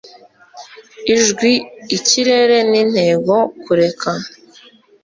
ijwi, ikirere n'intego kureka